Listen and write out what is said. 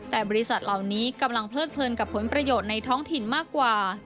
แต่บริษัทเหล่านี้กำลังเพลิดเพลินกับผลประโยชน์ในท้องถิ่นมากกว่า